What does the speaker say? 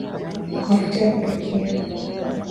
Mafuta ya kupikia